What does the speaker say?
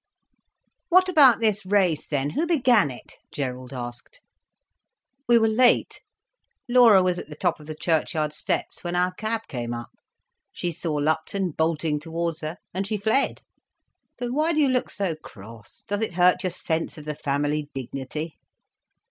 "What about this race then—who began it?" Gerald asked. "We were late. Laura was at the top of the churchyard steps when our cab came up. She saw Lupton bolting towards her. And she fled. But why do you look so cross? Does it hurt your sense of the family dignity?"